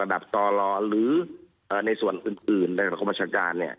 ระดับภาคระดับต่อรอหรือในส่วนอื่นในการความประชาการ